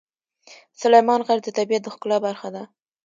سلیمان غر د طبیعت د ښکلا برخه ده.